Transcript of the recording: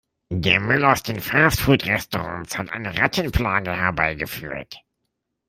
Der Müll aus den Fast-Food-Restaurants hat eine Rattenplage herbeigeführt.